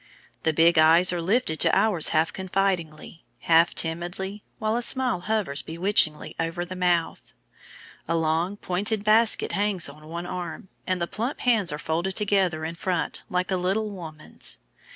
The big eyes are lifted to ours half confidingly, half timidly, while a smile hovers bewitchingly over the mouth. A long, pointed basket hangs on one arm, and the plump hands are folded together in front like a little woman's.